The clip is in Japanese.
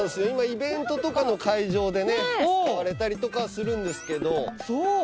今イベントとかの会場でね使われたりとかはするんですけどそう！